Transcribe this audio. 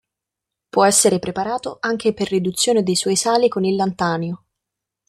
Può essere preparato anche per riduzione dei suoi sali con il lantanio.